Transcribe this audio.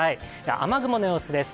雨雲の様子です。